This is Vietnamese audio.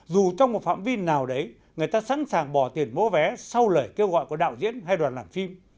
dù trong một phạm vi nào đấy người ta sẵn sàng bỏ tiền mua vé sau lời kêu gọi của đạo diễn hay đoàn làm phim